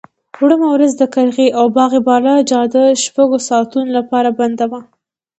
وړمه ورځ د قرغې او باغ بالا جاده شپږو ساعتونو لپاره بنده وه.